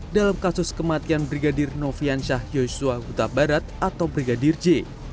dalam kasus kematian brigadir noviansyah yosua guta barat atau brigadir j